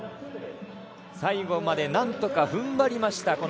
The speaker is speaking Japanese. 最後まで何とか踏ん張りました。